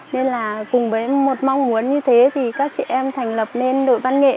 nên là cùng với một mong muốn như thế thì các chị em thành lập nên đội văn nghệ